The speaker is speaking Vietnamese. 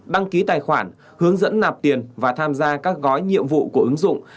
đăng ký tài khoản hướng dẫn nạp tiền và tham gia các gói nhiệm vụ của ứng dụng